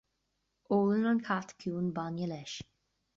Ólann an cat ciúin bainne leis